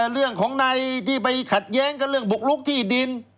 เรื่องของในที่ไปขัดแย้งกับเรื่องบุกลุกที่ดิน